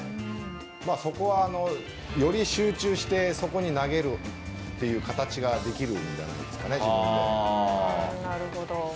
そこは、より集中してそこに投げるという形ができるんじゃないですかね。